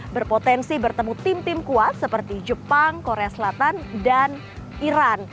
berpotensi bertemu tim tim kuat seperti jepang korea selatan dan iran